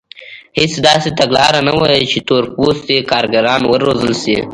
هېڅ داسې تګلاره نه وه چې تور پوستي کارګران وروزل شي.